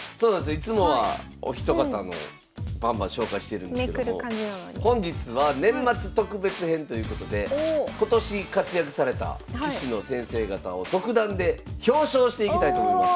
いつもはお一方のをバンバン紹介してるんですけども本日は年末特別編ということで今年活躍された棋士の先生方を独断で表彰していきたいと思います。